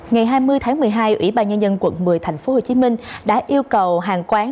ngày hai mươi tháng một mươi hai ủy ban nhân dân quận một mươi tp hcm đã yêu cầu hàng quán